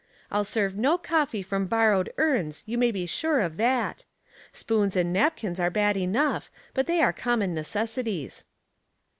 I'll serve no coffee from bor rowed urns, you may be sure of that. Spoons and napkins are bad enough, but they are com mon necessities."